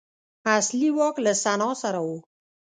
اصلي واک له سنا سره و.